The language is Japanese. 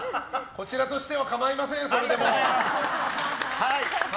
こちらとしてはかまいませんそれでも。